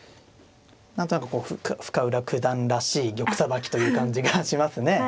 何となくこう深浦九段らしい玉さばきという感じがしますね。